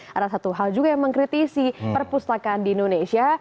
ada satu hal juga yang mengkritisi perpustakaan di indonesia